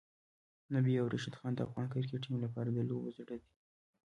نبی او راشدخان د افغان کرکټ ټیم لپاره د لوبو زړه دی.